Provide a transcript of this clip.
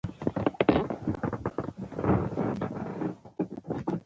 کتاب مې بیا وپلټه.